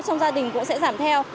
trong gia đình cũng sẽ giảm theo